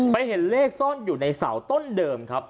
เห็นเลขซ่อนอยู่ในเสาต้นเดิมครับ